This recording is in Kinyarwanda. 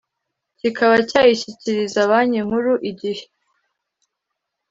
kikaba cyayishyikiriza Banki Nkuru igihe